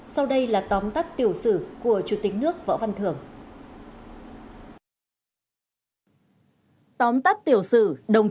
sau đây là tóm tắt tiểu sử của chủ tịch nước võ văn thưởng